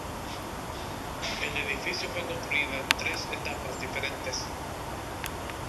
El edificio fue construido en tres etapas diferentes.